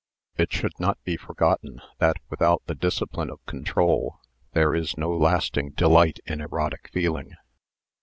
It should never be forgotten that without the dis cipline of control there is no lasting delight in erotic feeling.